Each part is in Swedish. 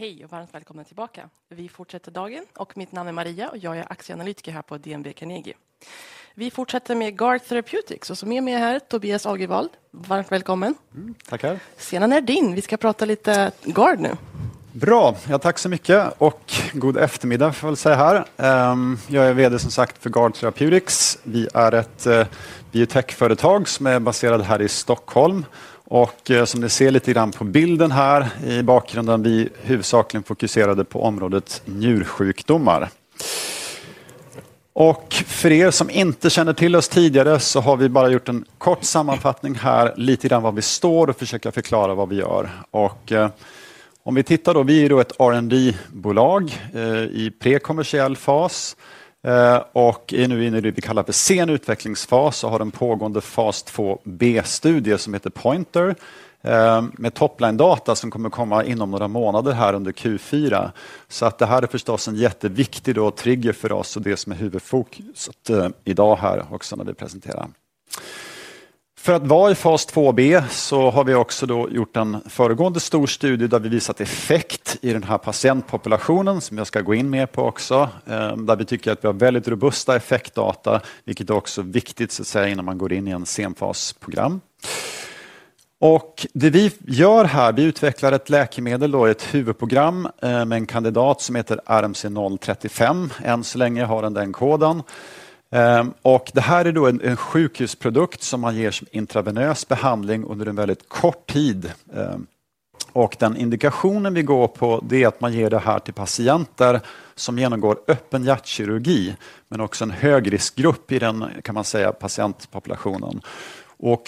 Hej och varmt välkomna tillbaka. Vi fortsätter dagen och mitt namn är Maria och jag är aktieanalytiker här på DNB Carnegie. Vi fortsätter med Guard Therapeutics och så med mig här är Tobias Augervald. Varmt välkommen. Tackar. Scenen är din. Vi ska prata lite Guard nu. Bra, tack så mycket och god eftermiddag får jag väl säga här. Jag är VD som sagt för Guard Therapeutics. Vi är ett biotech-företag som är baserat här i Stockholm. Och som ni ser lite grann på bilden här i bakgrunden, vi är huvudsakligen fokuserade på området njursjukdomar. Och för som inte känner till oss tidigare så har vi bara gjort en kort sammanfattning här, lite grann var vi står och försöker förklara vad vi gör. Om vi tittar då, vi är ju då ett R&D-bolag i prekommersiell fas och är nu inne i det vi kallar för sen utvecklingsfas och har en pågående fas 2B-studie som heter Pointer, med topline-data som kommer komma inom några månader här under Q4. Det här är förstås en jätteviktig trigger för oss och det som är huvudfokus idag här också när vi presenterar. För att vara i fas 2B så har vi också då gjort en föregående stor studie där vi visat effekt i den här patientpopulationen som jag ska gå in mer på också. Där vi tycker att vi har väldigt robusta effektdata, vilket är också viktigt innan man går in i en senfasprogram. Det vi gör här, vi utvecklar ett läkemedel då i ett huvudprogram med en kandidat som heter RMC035. Än så länge har den den koden. Det här är då en sjukhusprodukt som man ger som intravenös behandling under en väldigt kort tid. Och den indikationen vi går på, det är att man ger det här till patienter som genomgår öppen hjärtkirurgi, men också en högriskgrupp i den kan man säga patientpopulationen.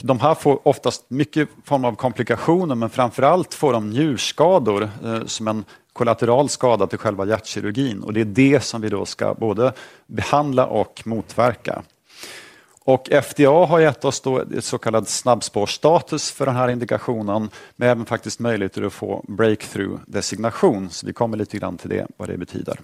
De här får oftast mycket form av komplikationer, men framförallt får de njurskador som en kollateralskada till själva hjärtkirurgin. Det är det som vi då ska både behandla och motverka. FDA har gett oss då så kallad snabbspårsstatus för den här indikationen, med även faktiskt möjligheter att få breakthrough-designation. Vi kommer lite grann till det, vad det betyder.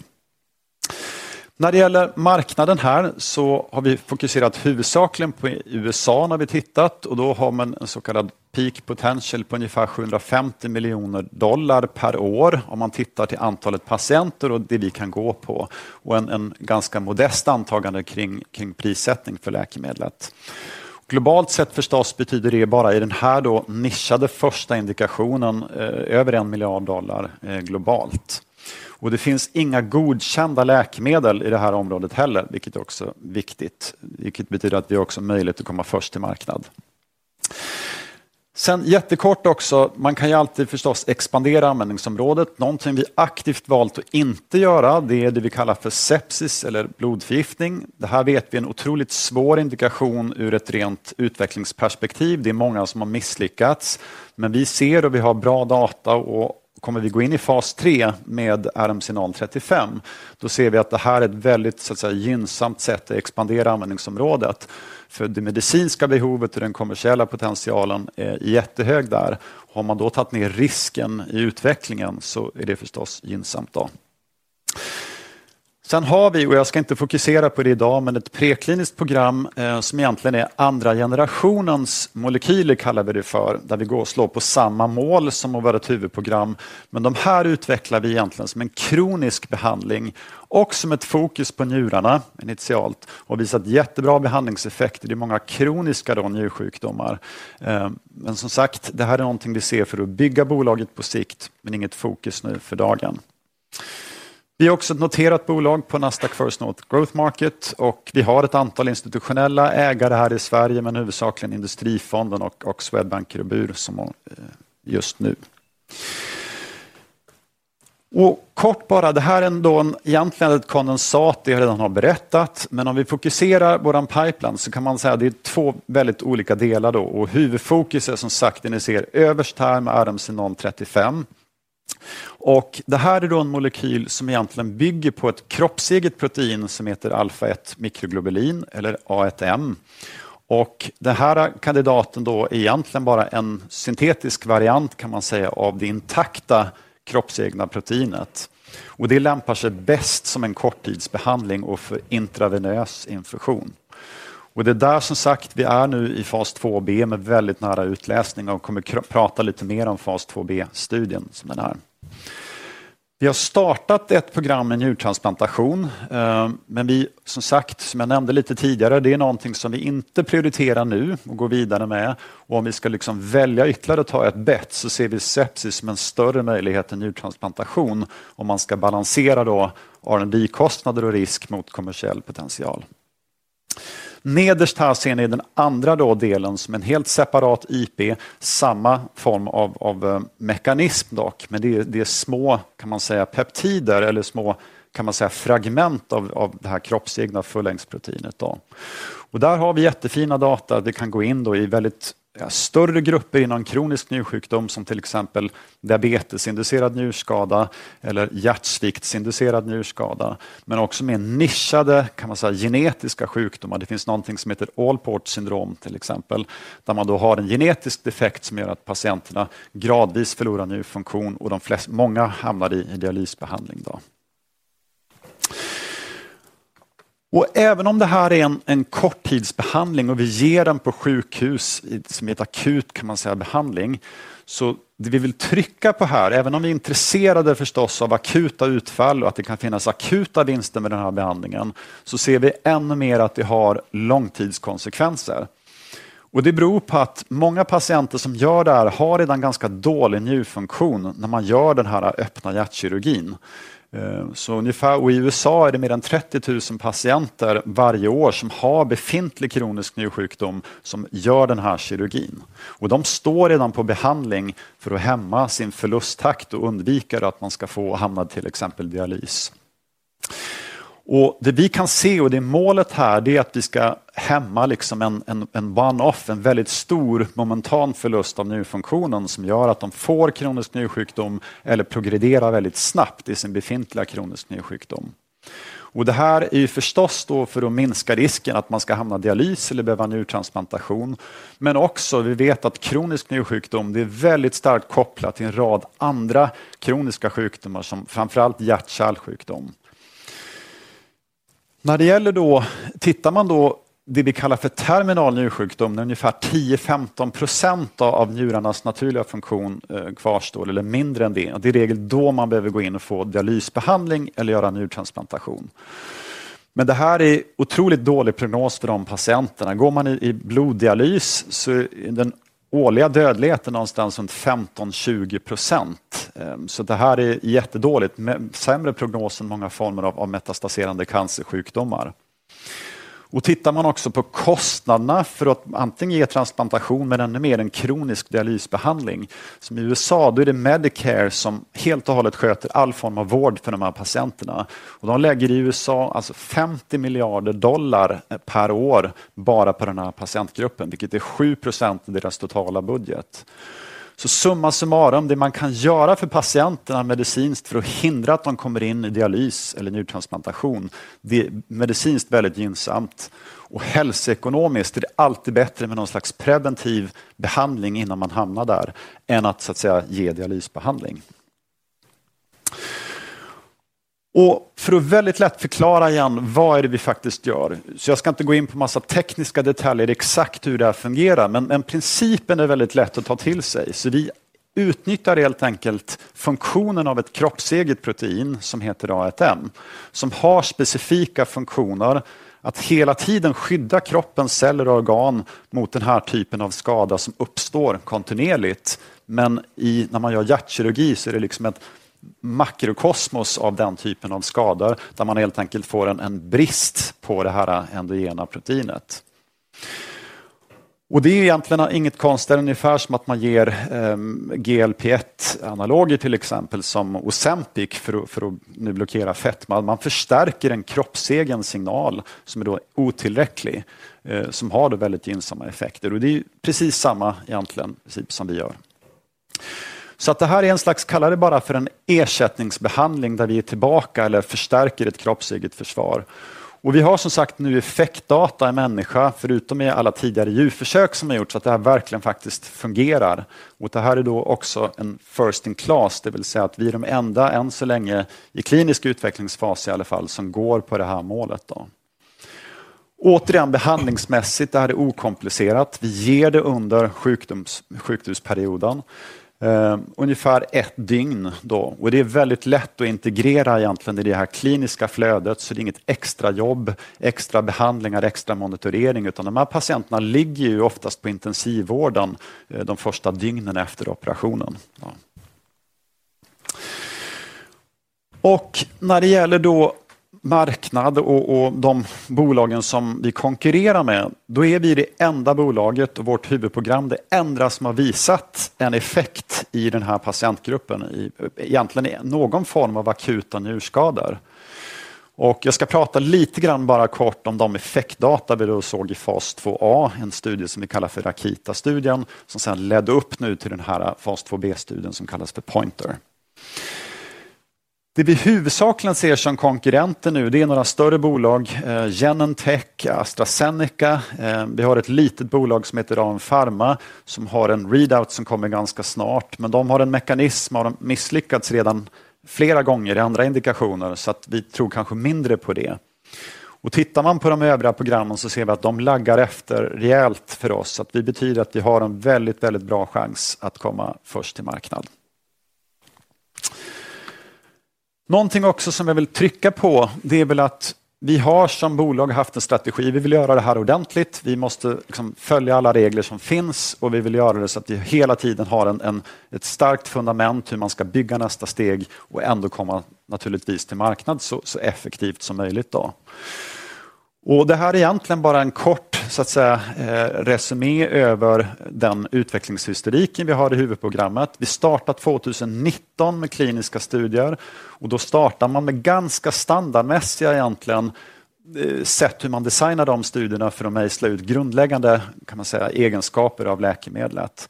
När det gäller marknaden här så har vi fokuserat huvudsakligen på USA när vi tittat. Då har man en så kallad peak potential på ungefär $750 miljoner per år om man tittar till antalet patienter och det vi kan gå på. Och en ganska modest antagande kring prissättning för läkemedlet. Globalt sett förstås betyder det bara i den här då nischade första indikationen över en miljard dollar globalt. Det finns inga godkända läkemedel i det här området heller, vilket är också viktigt. Vilket betyder att vi har också möjlighet att komma först till marknad. Jättekort också, man kan ju alltid förstås expandera användningsområdet. Någonting vi aktivt valt att inte göra, det är det vi kallar för sepsis eller blodförgiftning. Det här vet vi är en otroligt svår indikation ur ett rent utvecklingsperspektiv. Det är många som har misslyckats. Men vi ser och vi har bra data och kommer vi gå in i fas 3 med RMC035, då ser vi att det här är ett väldigt gynnsamt sätt att expandera användningsområdet. För det medicinska behovet och den kommersiella potentialen är jättehög där. Har man då tagit ner risken i utvecklingen så är det förstås gynnsamt då. Vi har, och jag ska inte fokusera på det idag, men ett prekliniskt program som egentligen är andra generationens molekyler kallar vi det för, där vi går och slår på samma mål som att vara ett huvudprogram. Men de här utvecklar vi egentligen som en kronisk behandling och som ett fokus på njurarna initialt och visat jättebra behandlingseffekter i många kroniska njursjukdomar. Men som sagt, det här är någonting vi ser för att bygga bolaget på sikt, men inget fokus nu för dagen. Vi är också ett noterat bolag på Nasdaq First North Growth Market och vi har ett antal institutionella ägare här i Sverige, men huvudsakligen Industrifonden och Swedbank Robur som är just nu. Kort bara, det här är ändå egentligen ett kondensat, det jag redan har berättat. Men om vi fokuserar vår pipeline så kan man säga att det är två väldigt olika delar då. Huvudfokus är som sagt, det ni ser överst här med RMC035. Det här är då en molekyl som egentligen bygger på ett kroppseget protein som heter α1-mikroglobulin eller A1M. Den här kandidaten då är egentligen bara en syntetisk variant kan man säga av det intakta kroppsegna proteinet. Det lämpar sig bäst som en korttidsbehandling och för intravenös infusion. Det är där som sagt, vi är nu i fas 2B med väldigt nära utläsning och kommer prata lite mer om fas 2B-studien som den är. Vi har startat ett program med njurtransplantation. Men vi som sagt, som jag nämnde lite tidigare, det är någonting som vi inte prioriterar nu och går vidare med. Om vi ska liksom välja ytterligare att ta ett bet så ser vi sepsis som en större möjlighet än njurtransplantation. Om man ska balansera då R&D-kostnader och risk mot kommersiell potential. Nederst här ser ni den andra då delen som är en helt separat IP. Samma form av mekanism dock, men det är små kan man säga peptider eller små kan man säga fragment av det här kroppsegna förlängsproteinet då. Där har vi jättefina data. Vi kan gå in då i väldigt större grupper inom kronisk njursjukdom som till exempel diabetesinducerad njurskada eller hjärtsviktsinducerad njurskada. Men också med nischade kan man säga genetiska sjukdomar. Det finns någonting som heter Alports syndrom till exempel. Där man då har en genetisk defekt som gör att patienterna gradvis förlorar njurfunktion och många hamnar i dialysbehandling då. Även om det här är en korttidsbehandling och vi ger den på sjukhus som är ett akut kan man säga behandling. Det vi vill trycka på här, även om vi är intresserade förstås av akuta utfall och att det kan finnas akuta vinster med den här behandlingen, så ser vi ännu mer att vi har långtidskonsekvenser. Det beror på att många patienter som gör det här har redan ganska dålig njurfunktion när man gör den här öppna hjärtkirurgin. Ungefär i USA är det mer än 30 000 patienter varje år som har befintlig kronisk njursjukdom som gör den här kirurgin. De står redan på behandling för att hämma sin förlusttakt och undvika att man ska få och hamna till exempel dialysen. Det vi kan se och det målet här, det är att vi ska hämma liksom en burn-off, en väldigt stor momentan förlust av njurfunktionen som gör att de får kronisk njursjukdom eller progrederar väldigt snabbt i sin befintliga kroniska njursjukdom. Det här är ju förstås då för att minska risken att man ska hamna i dialys eller behöva njurtransplantation. Men också, vi vet att kronisk njursjukdom, det är väldigt starkt kopplat till en rad andra kroniska sjukdomar som framförallt hjärt-kärlsjukdom. När det gäller då, tittar man då det vi kallar för terminal njursjukdom, när ungefär 10-15% av njurarnas naturliga funktion kvarstår eller mindre än det, det är regel då man behöver gå in och få dialysbehandling eller göra njurtransplantation. Men det här är otroligt dålig prognos för de patienterna. Går man i bloddialys så är den årliga dödligheten någonstans runt 15-20%. Det här är jättedåligt, med sämre prognos än många former av metastaserande cancersjukdomar. Tittar man också på kostnaderna för att antingen ge transplantation men ännu mer en kronisk dialysbehandling, som i USA, då är det Medicare som helt och hållet sköter all form av vård för de här patienterna. De lägger i USA alltså $50 miljarder per år bara på den här patientgruppen, vilket är 7% av deras totala budget. Summa summarum, det man kan göra för patienterna medicinskt för att hindra att de kommer in i dialys eller njurtransplantation, det är medicinskt väldigt gynnsamt. Hälsoekonomiskt är det alltid bättre med någon slags preventiv behandling innan man hamnar där, än att ge dialysbehandling. För att väldigt lätt förklara igen, vad är det vi faktiskt gör? Jag ska inte gå in på massa tekniska detaljer exakt hur det här fungerar, men principen är väldigt lätt att ta till sig. Vi utnyttjar helt enkelt funktionen av ett kroppseget protein som heter A1M, som har specifika funktioner att hela tiden skydda kroppens celler och organ mot den här typen av skada som uppstår kontinuerligt. Men när man gör hjärtkirurgi så är det liksom ett makrokosmos av den typen av skador, där man helt enkelt får en brist på det här endogena proteinet. Det är egentligen inget konstigt, eller ungefär som att man ger GLP-1-analoger till exempel som Ozempic för att nu blockera fett. Man förstärker en kroppsegens signal som är då otillräcklig, som har då väldigt gynnsamma effekter. Det är precis samma egentligen som vi gör. Det här är en slags, kallar det bara för en ersättningsbehandling, där vi är tillbaka eller förstärker ett kroppseget försvar. Vi har som sagt nu effektdata i människa, förutom i alla tidigare djurförsök som har gjorts att det här verkligen faktiskt fungerar. Det här är då också en first in class, det vill säga att vi är de enda än så länge i klinisk utvecklingsfas i alla fall som går på det här målet då. Återigen behandlingsmässigt, det här är okomplicerat. Vi ger det under sjukdomsperioden, ungefär ett dygn då. Det är väldigt lätt att integrera egentligen i det här kliniska flödet, så det är inget extra jobb, extra behandlingar, extra monitorering, utan de här patienterna ligger ju oftast på intensivvården de första dygnen efter operationen. När det gäller då marknad och de bolagen som vi konkurrerar med, då är vi det enda bolaget och vårt huvudprogram, det enda som har visat en effekt i den här patientgruppen, egentligen i någon form av akuta njurskador. Jag ska prata lite grann bara kort om de effektdata vi då såg i fas 2A, en studie som vi kallar för Rakita-studien, som sedan ledde upp nu till den här fas 2B-studien som kallas för Pointer. Det vi huvudsakligen ser som konkurrenter nu, det är några större bolag, Genentech, AstraZeneca, vi har ett litet bolag som heter RanPharma som har en readout som kommer ganska snart, men de har en mekanism och har misslyckats redan flera gånger i andra indikationer så att vi tror kanske mindre på det. Tittar man på de övriga programmen så ser vi att de laggar efter rejält för oss, så att det betyder att vi har en väldigt, väldigt bra chans att komma först till marknad. Någonting också som jag vill trycka på, det är väl att vi har som bolag haft en strategi, vi vill göra det här ordentligt, vi måste följa alla regler som finns och vi vill göra det så att vi hela tiden har ett starkt fundament hur man ska bygga nästa steg och ändå komma naturligtvis till marknad så effektivt som möjligt då. Det här är egentligen bara en kort resumé över den utvecklingshistoriken vi har i huvudprogrammet. Vi startade 2019 med kliniska studier och då startade man med ganska standardmässiga egentligen sätt hur man designar de studierna för att mejsla ut grundläggande kan man säga egenskaper av läkemedlet.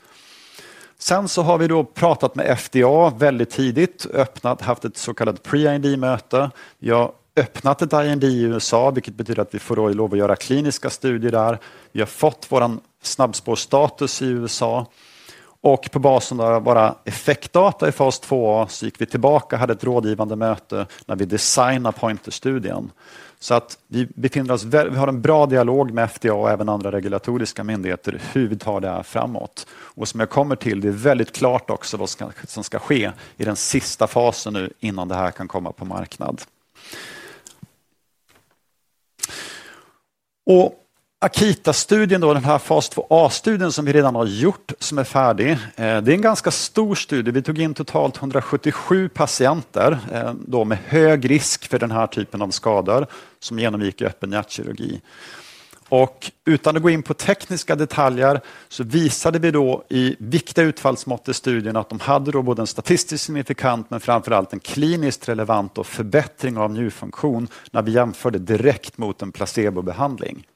Vi har då pratat med FDA väldigt tidigt, öppnat, haft ett så kallat pre-IND-möte. Vi har öppnat ett IND i USA, vilket betyder att vi får då lov att göra kliniska studier där. Vi har fått vår snabbspårstatus i USA. På basen av våra effektdata i fas 2A så gick vi tillbaka, hade ett rådgivande möte när vi designade Pointer-studien. Vi har en bra dialog med FDA och även andra regulatoriska myndigheter hur vi tar det här framåt. Det är väldigt klart också vad som ska ske i den sista fasen nu innan det här kan komma på marknad. Rakita-studien då, den här fas 2A-studien som vi redan har gjort, som är färdig, det är en ganska stor studie. Vi tog in totalt 177 patienter då med hög risk för den här typen av skador som genomgick i öppen hjärtkirurgi. Utan att gå in på tekniska detaljer så visade vi då i viktiga utfallsmått i studien att de hade då både en statistisk signifikant men framförallt en kliniskt relevant förbättring av njurfunktion när vi jämförde direkt mot en placebobehandling.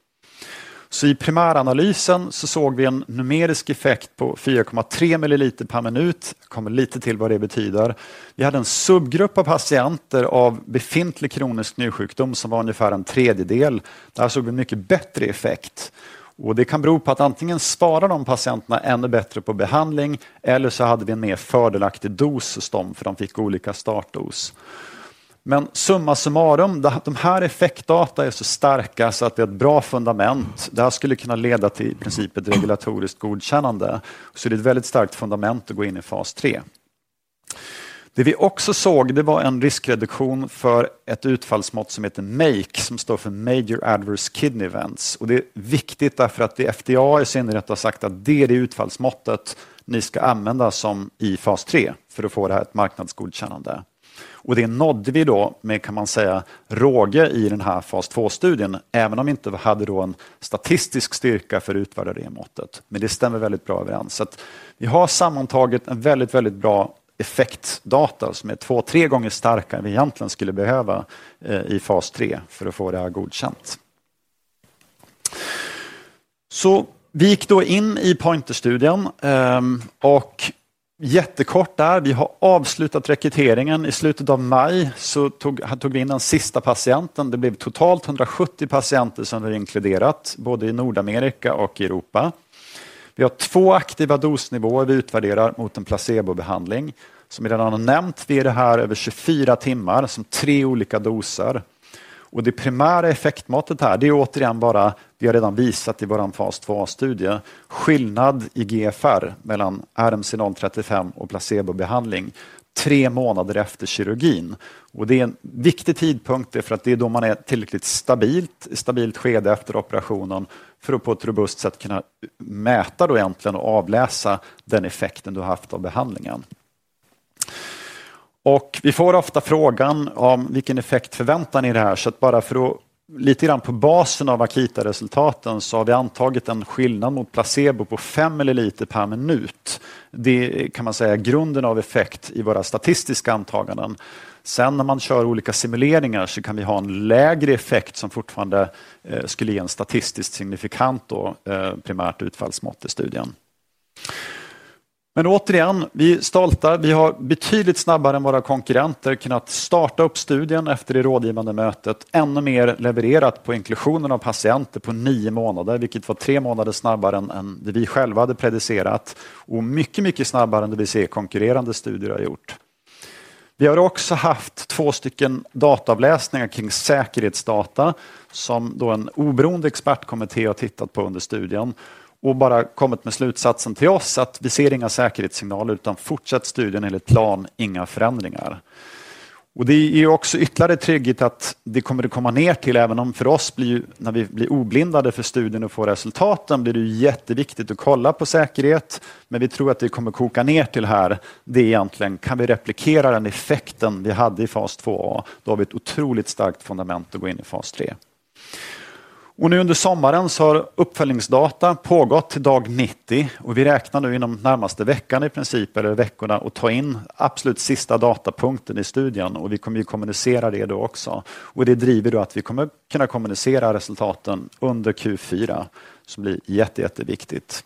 I primäranalysen så såg vi en numerisk effekt på 4,3 milliliter per minut. Jag kommer lite till vad det betyder. Vi hade en subgrupp av patienter av befintlig kronisk njursjukdom som var ungefär en tredjedel. Där såg vi mycket bättre effekt. Det kan bero på att antingen spara de patienterna ännu bättre på behandling eller så hade vi en mer fördelaktig dos hos dem för de fick olika startdos. Men summa summarum, de här effektdata är så starka så att det är ett bra fundament. Det här skulle kunna leda till i princip ett regulatoriskt godkännande. Det är ett väldigt starkt fundament att gå in i fas 3. Det vi också såg var en riskreduktion för ett utfallsmått som heter MAKE, som står för Major Adverse Kidney Events. Det är viktigt därför att det FDA i synnerhet har sagt att det är det utfallsmåttet ni ska använda som i fas 3 för att få det här ett marknadsgodkännande. Det nådde vi då med kan man säga råge i den här fas 2-studien, även om vi inte hade då en statistisk styrka för att utvärdera det måttet. Men det stämmer väldigt bra överens. Vi har sammantaget en väldigt, väldigt bra effektdata som är två, tre gånger starkare än vi egentligen skulle behöva i fas 3 för att få det här godkänt. Vi gick då in i Pointer-studien. Jättekort där. Vi har avslutat rekryteringen. I slutet av maj så tog vi in den sista patienten. Det blev totalt 170 patienter som vi har inkluderat, både i Nordamerika och i Europa. Vi har två aktiva dosnivåer vi utvärderar mot en placebobehandling. Som vi redan har nämnt, vi är det här över 24 timmar som tre olika doser. Det primära effektmåttet här, det är återigen bara vi har redan visat i vår fas 2A-studie, skillnad i GFR mellan RMC035 och placebobehandling tre månader efter kirurgin. Det är en viktig tidpunkt, det är för att det är då man är tillräckligt stabilt i stabilt skede efter operationen för att på ett robust sätt kunna mäta då egentligen och avläsa den effekten du har haft av behandlingen. Vi får ofta frågan om vilken effekt förväntar ni i det här. Bara för att lite grann på basen av Rakita-resultaten så har vi antagit en skillnad mot placebo på 5 milliliter per minut. Det kan man säga är grunden av effekt i våra statistiska antaganden. När man kör olika simuleringar så kan vi ha en lägre effekt som fortfarande skulle ge en statistiskt signifikant då primärt utfallsmått i studien. Men återigen, vi är stolta. Vi har betydligt snabbare än våra konkurrenter kunnat starta upp studien efter det rådgivande mötet. Ännu mer levererat på inklusionen av patienter på nio månader, vilket var tre månader snabbare än det vi själva hade predicerat. Mycket, mycket snabbare än det vi ser konkurrerande studier har gjort. Vi har också haft två stycken datavläsningar kring säkerhetsdata som då en oberoende expertkommitté har tittat på under studien. Bara kommit med slutsatsen till oss att vi ser inga säkerhetssignaler utan fortsätt studien enligt plan, inga förändringar. Det ger också ytterligare trygghet att det kommer att komma ner till, även om för oss blir ju när vi blir oblindade för studien och får resultaten, blir det ju jätteviktigt att kolla på säkerhet. Men vi tror att det kommer att koka ner till här, det är egentligen kan vi replikera den effekten vi hade i fas 2A. Då har vi ett otroligt starkt fundament att gå in i fas 3. Nu under sommaren så har uppföljningsdata pågått till dag 90. Vi räknar nu inom närmaste veckan i princip, eller veckorna, att ta in absolut sista datapunkten i studien. Vi kommer ju kommunicera det då också. Det driver då att vi kommer kunna kommunicera resultaten under Q4, som blir jätte, jätteviktigt.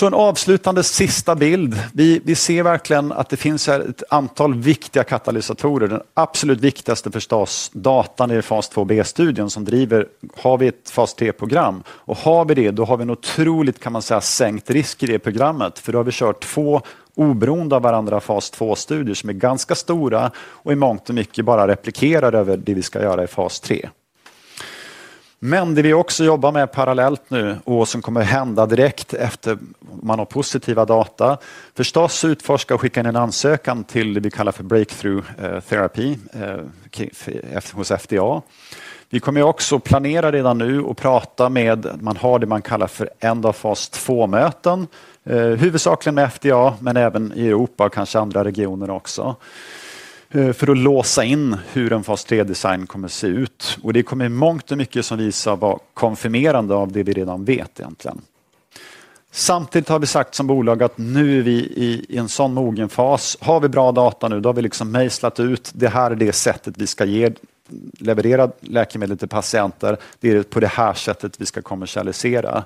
En avslutande sista bild. Vi ser verkligen att det finns här ett antal viktiga katalysatorer. Den absolut viktigaste förstås, datan i fas 2B-studien som driver, har vi ett fas 3-program. Har vi det, då har vi en otroligt, kan man säga, sänkt risk i det programmet. För då har vi kört två oberoende av varandra fas 2-studier som är ganska stora och i mångt och mycket bara replikerar över det vi ska göra i fas 3. Men det vi också jobbar med parallellt nu och som kommer hända direkt efter man har positiva data, förstås utforska och skicka in en ansökan till det vi kallar för breakthrough therapy hos FDA. Vi kommer ju också planera redan nu och prata med att man har det man kallar för end of phase 2-möten. Huvudsakligen med FDA, men även i Europa och kanske andra regioner också. För att låsa in hur en fas 3-design kommer se ut. Det kommer i mångt och mycket som visar vara konfirmerande av det vi redan vet egentligen. Samtidigt har vi sagt som bolag att nu är vi i en sån mogen fas. Har vi bra data nu, då har vi liksom mejslat ut. Det här är det sättet vi ska leverera läkemedlet till patienter. Det är det på det här sättet vi ska kommersialisera.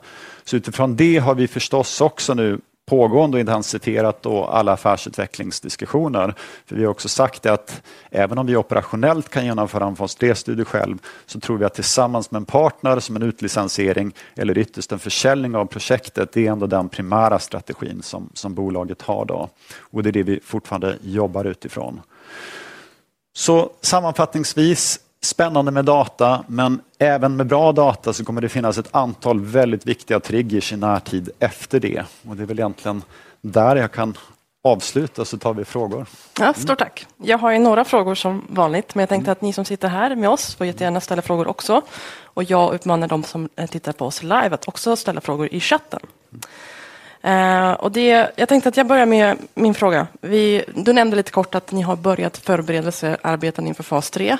Utifrån det har vi förstås också nu pågående och intensifierat alla affärsutvecklingsdiskussioner. För vi har också sagt det att även om vi operationellt kan genomföra en fas 3-studie själv, så tror vi att tillsammans med en partner som en utlicensiering eller ytterst en försäljning av projektet, det är ändå den primära strategin som bolaget har då. Det är det vi fortfarande jobbar utifrån. Sammanfattningsvis, spännande med data, men även med bra data så kommer det finnas ett antal väldigt viktiga triggers i närtid efter det. Det är väl egentligen där jag kan avsluta, så tar vi frågor. Stort tack. Jag har ju några frågor som vanligt, men jag tänkte att ni som sitter här med oss får jättegärna ställa frågor också. Jag utmanar de som tittar på oss live att också ställa frågor i chatten. Jag tänkte att jag börjar med min fråga. Du nämnde lite kort att ni har börjat förbereda er och arbeta inför fas 3.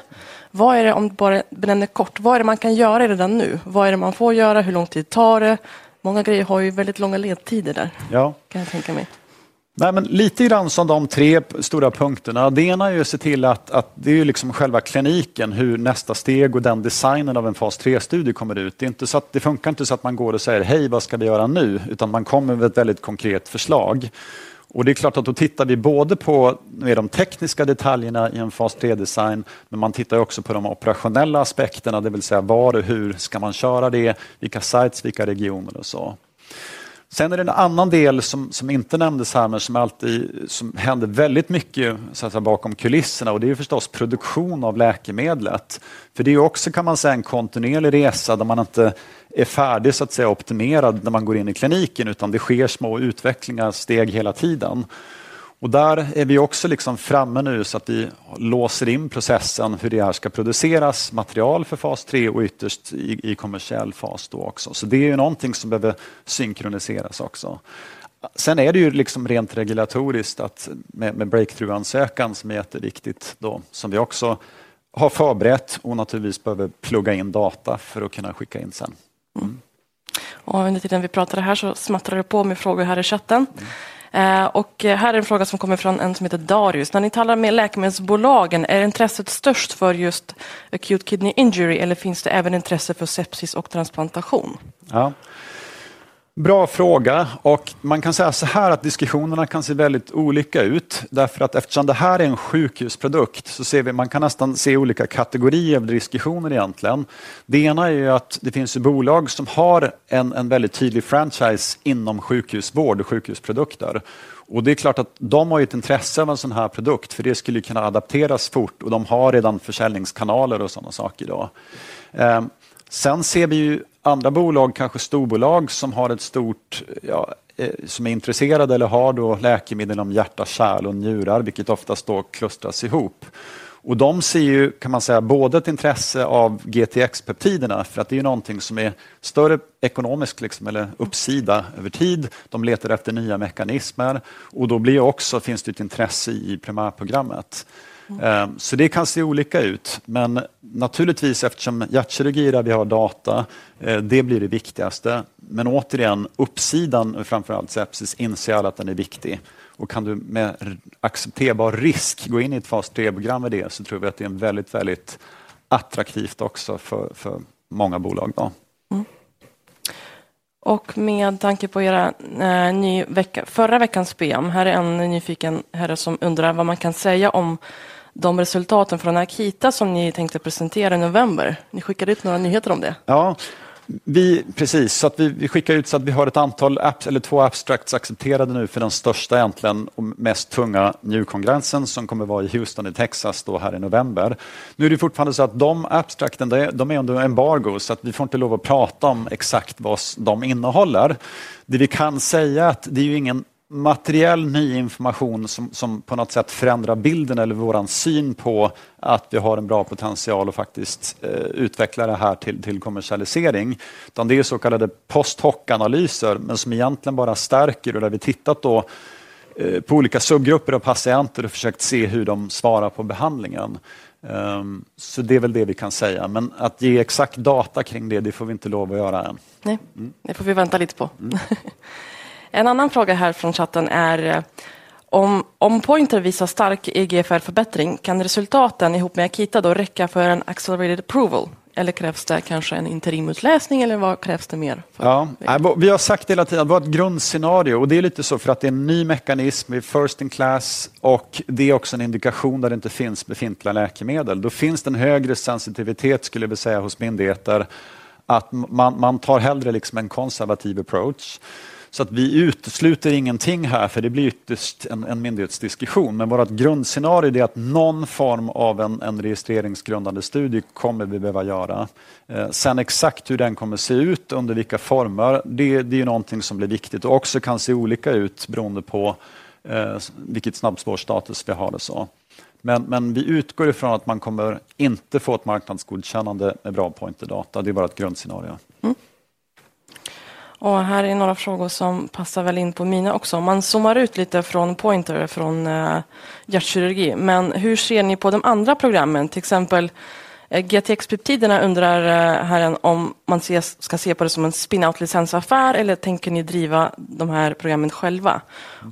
Vad är det, om du bara benämner kort, vad är det man kan göra redan nu? Vad är det man får göra? Hur lång tid tar det? Många grejer har ju väldigt långa ledtider där. Ja, kan jag tänka mig. Nej, men lite grann som de tre stora punkterna. Det ena är ju att se till att det är ju liksom själva kliniken, hur nästa steg och den designen av en fas 3-studie kommer ut. Det är inte så att det funkar inte så att man går och säger hej, vad ska vi göra nu? Utan man kommer med ett väldigt konkret förslag. Det är klart att då tittar vi både på de tekniska detaljerna i en fas 3-design, men man tittar ju också på de operationella aspekterna, det vill säga var och hur ska man köra det, vilka sites, vilka regioner och så. Sen är det en annan del som inte nämndes här, men som alltid händer väldigt mycket bakom kulisserna, och det är ju förstås produktion av läkemedlet. För det är ju också, kan man säga, en kontinuerlig resa där man inte är färdig, så att säga, optimerad när man går in i kliniken, utan det sker små utvecklingar, steg hela tiden. Där är vi också framme nu så att vi låser in processen, hur det här ska produceras, material för fas 3 och ytterst i kommersiell fas då också. Det är ju någonting som behöver synkroniseras också. Sen är det ju rent regulatoriskt att med breakthrough-ansökan som är jätteviktigt då, som vi också har förberett och naturligtvis behöver plugga in data för att kunna skicka in sen. Och under tiden vi pratade här så smattrar det på med frågor här i chatten. Här är en fråga som kommer från en som heter Darius. När ni talar med läkemedelsbolagen, är intresset störst för just acute kidney injury eller finns det även intresse för sepsis och transplantation? Ja, bra fråga. Och man kan säga så här att diskussionerna kan se väldigt olika ut, därför att eftersom det här är en sjukhusprodukt så ser vi att man kan nästan se olika kategorier av diskussioner egentligen. Det ena är ju att det finns ju bolag som har en väldigt tydlig franchise inom sjukhusvård och sjukhusprodukter. Och det är klart att de har ju ett intresse av en sådan här produkt, för det skulle ju kunna adapteras fort och de har redan försäljningskanaler och sådana saker då. Sen ser vi ju andra bolag, kanske storbolag, som har ett stort, ja, som är intresserade eller har då läkemedel om hjärta, kärl och njurar, vilket oftast då klustras ihop. Och de ser ju, kan man säga, både ett intresse av GTX-peptiderna, för att det är ju någonting som är större ekonomisk uppsida över tid. De letar efter nya mekanismer och då blir ju också, finns det ju ett intresse i primärprogrammet. Så det kan se olika ut. Men naturligtvis, eftersom hjärtkirurgi där vi har data, det blir det viktigaste. Men återigen, uppsidan och framförallt sepsis, inser jag att den är viktig. Och kan du med accepterbar risk gå in i ett fas 3-program med det så tror vi att det är väldigt, väldigt attraktivt också för många bolag då. Och med tanke på era nya förra veckans ben, här är en nyfiken herre som undrar vad man kan säga om de resultaten från Akita som ni tänkte presentera i november. Ni skickade ut några nyheter om det. Ja, vi precis, så att vi skickar ut så att vi har ett antal apps eller två abstracts accepterade nu för den största äntligen och mest tunga njurkongressen som kommer vara i Houston i Texas då här i november. Nu är det fortfarande så att de abstracts är under embargo så att vi får inte lov att prata om exakt vad de innehåller. Det vi kan säga är att det är ju ingen materiell ny information som på något sätt förändrar bilden eller vår syn på att vi har en bra potential att faktiskt utveckla det här till kommersialisering. Utan det är ju så kallade post-hoc-analyser men som egentligen bara stärker och där vi tittat då på olika subgrupper av patienter och försökt se hur de svarar på behandlingen. Så det är väl det vi kan säga. Men att ge exakt data kring det, det får vi inte lov att göra än. Nej, det får vi vänta lite på. Nej, en annan fråga här från chatten är om Pointer visar stark EGFR-förbättring, kan resultaten ihop med Akita då räcka för en accelerated approval? Eller krävs det kanske en interimutläsning eller vad krävs det mer? Ja, vi har sagt hela tiden att vårt grundscenario, och det är lite så för att det är en ny mekanism, vi är first in class, och det är också en indikation där det inte finns befintliga läkemedel. Då finns det en högre sensitivitet, skulle jag säga, hos myndigheter. Att man tar hellre en konservativ approach. Så att vi utesluter ingenting här, för det blir ytterst en myndighetsdiskussion. Men vårt grundscenario är att någon form av en registreringsgrundande studie kommer vi behöva göra. Sen exakt hur den kommer se ut, under vilka former, det är ju någonting som blir viktigt och också kan se olika ut beroende på vilket snabbspårstatus vi har och så. Men vi utgår ifrån att man kommer inte få ett marknadsgodkännande med bara pointerdata, det är vårt grundscenario. Och här är några frågor som passar väl in på mina också. Om man zoomar ut lite från Pointer, från hjärtkirurgi. Men hur ser ni på de andra programmen? Till exempel GTX-peptiderna undrar herren om man ska se på det som en spinout-licensaffär eller tänker ni driva de här programmen själva?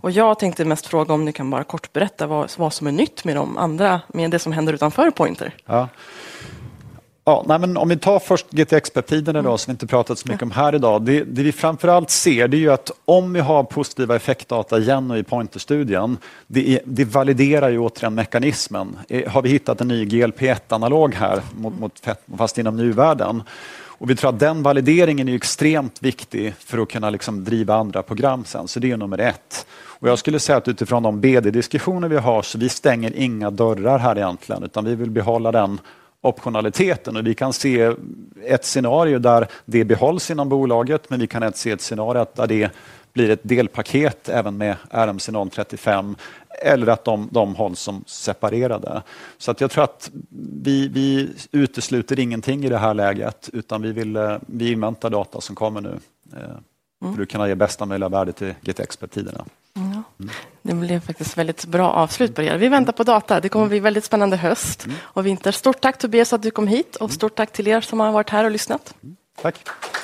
Jag tänkte mest fråga om ni kan bara kort berätta vad som är nytt med de andra, med det som händer utanför Pointer. Ja, nej men om vi tar först GTX-peptiderna då, som vi inte pratat så mycket om här idag. Det vi framförallt ser, det är ju att om vi har positiva effektdata igen och i pointerstudien, det validerar ju återigen mekanismen. Har vi hittat en ny GLP-1-analog här, fast inom nuvärlden. Vi tror att den valideringen är ju extremt viktig för att kunna driva andra program sen, så det är ju nummer ett. Jag skulle säga att utifrån de BD-diskussioner vi har, så vi stänger inga dörrar här egentligen, utan vi vill behålla den optionaliteten. Vi kan se ett scenario där det behålls inom bolaget, men vi kan även se ett scenario där det blir ett delpaket även med RMC035, eller att de hålls som separerade. Så att jag tror att vi utesluter ingenting i det här läget, utan vi vill invänta data som kommer nu för du kan ha det bästa möjliga värdet till GTX-peptiderna. Det blir faktiskt väldigt bra avslut på det. Vi väntar på data. Det kommer bli väldigt spännande höst och vinter. Stort tack Tobias att du kom hit och stort tack till er som har varit här och lyssnat. Tack!